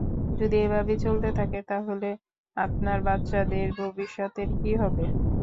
যদি এভাবেই চলতে থাকে, তাহলে আপনার বাচ্চাদের ভবিষ্যতের কী হবে?